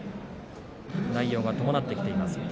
内容が伴ってきています。